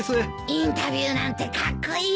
インタビューなんてカッコイイな。